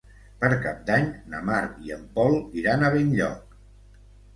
Per Cap d'Any na Mar i en Pol iran a Benlloc.